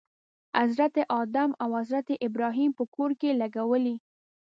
حضرت آدم او حضرت ابراهیم په کور کې لګولی.